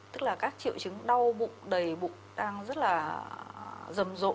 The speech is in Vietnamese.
tức là các triệu chứng đau bụng đầy bụng đang rất là rầm rộ